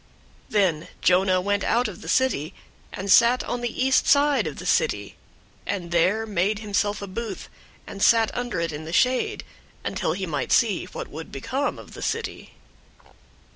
004:005 Then Jonah went out of the city, and sat on the east side of the city, and there made himself a booth, and sat under it in the shade, until he might see what would become of the city.